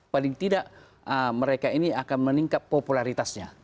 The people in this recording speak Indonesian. paling tidak mereka ini akan meningkat popularitasnya